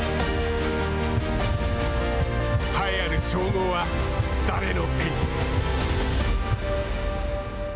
栄えある称号は、誰の手に。